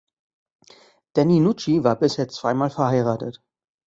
Danny Nucci war bisher zweimal verheiratet.